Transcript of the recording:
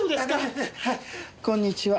はいこんにちは。